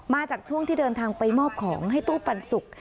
มาจากช่วงที่เดินทางไปมอบของให้ตู้ปันสุก